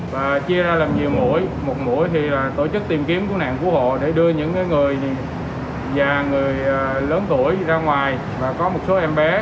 và chia ra làm nhiều mũi một mũi thì tổ chức tìm kiếm cứu nạn cứu hộ để đưa những người già người lớn tuổi ra ngoài và có một số em bé